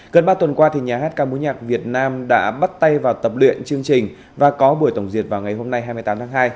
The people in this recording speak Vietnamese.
gần ba tuần qua nhà hát ca mối nhạc việt nam đã bắt tay vào tập luyện chương trình và có buổi tổng duyệt vào ngày hôm nay hai mươi tám tháng hai